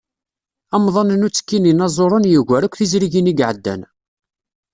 Amḍan n uttekki n yinaẓuren yugar akk tizrigin i iɛeddan.